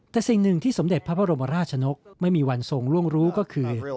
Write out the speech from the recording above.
แต่สิ่งหนึ่งที่สมเด็จพระบรมราชนกไม่มีวันทรงล่วงรู้ก็คือ